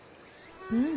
うん。